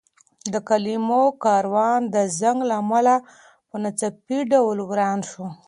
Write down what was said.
د کلمو کاروان د زنګ له امله په ناڅاپي ډول وران شو.